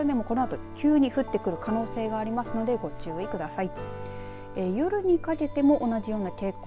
今晴れている所でもこのあと急に降ってくる可能性がありますのでご注意ください。